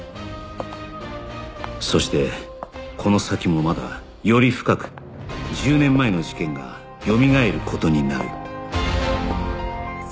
そしてこの先もまだより深く１０年前の事件がよみがえる事になる